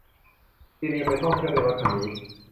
ซีเลียไปท่องเที่ยวด้วยรถคันนี้